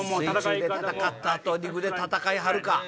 水中で戦った後陸で戦いはるか？